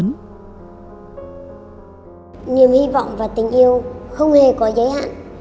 nhiềm hy vọng và tình yêu không hề có giấy hạn